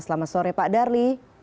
selamat sore pak darli